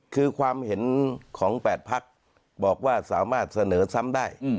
คือความเห็นของ๘พักบอกว่าสามารถเสนอซ้ำได้